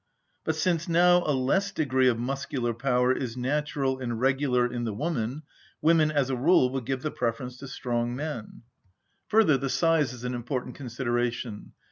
But since now a less degree of muscular power is natural and regular in the woman, women as a rule will give the preference to strong men. Further, the size is an important consideration.